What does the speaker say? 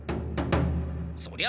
そりゃ